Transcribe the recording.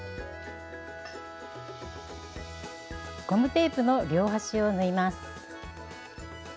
ゴムテープの両端を縫います。